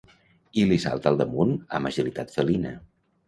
I li salta al damunt amb agilitat felina.